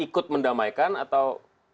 ikut mendamaikan atau